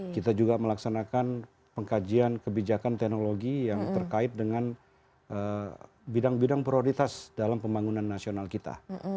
kita juga melaksanakan pengkajian kebijakan teknologi yang terkait dengan bidang bidang prioritas dalam pembangunan nasional kita